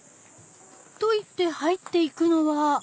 と言って入っていくのは。